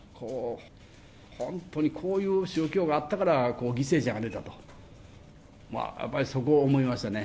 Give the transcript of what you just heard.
本当にこういう宗教があったから犠牲者が出たと、まあやっぱりそこを思いましたね。